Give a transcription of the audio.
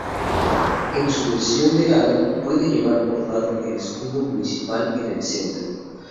En su versión de gala, puede llevar bordado el escudo municipal en el centro.